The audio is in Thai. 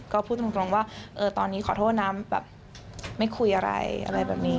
ก็พูดตรงว่าตอนนี้ขอโทษนะแบบไม่คุยอะไรอะไรแบบนี้